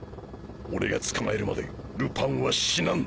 俺が捕まえるまでルパンは死なん。